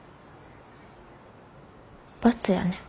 罰やねん。